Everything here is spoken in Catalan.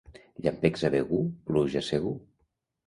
Llampecs a Begur, pluja segur.